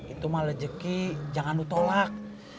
itu malah rezeki jangan lu tolak